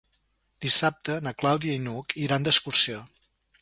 Dissabte na Clàudia i n'Hug iran d'excursió.